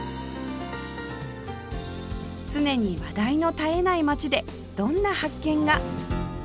常に話題の絶えない街でどんな発見が？